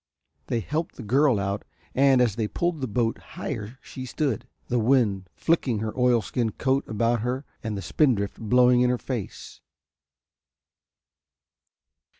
They helped the girl out and as they pulled the boat higher she stood, the wind flicking her oilskin coat about her and the spindrift blowing in her face.